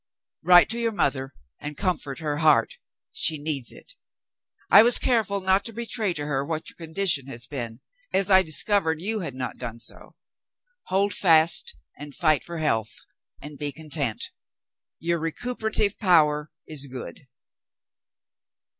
Write to your mother and comfort her heart, — she needs it. I was careful not to betray to her what your condition has been, as I discovered you had not done so. Hold fast and fight for health, and be content. Your recuperative power is good.'